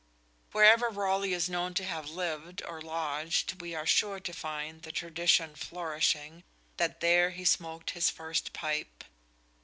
Wherever Raleigh is known to have lived or lodged we are sure to find the tradition flourishing that there he smoked his first pipe.